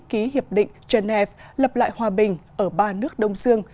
điện biên phủ đã đồng ý ký hiệp định trần hèp lập lại hòa bình ở ba nước đông dương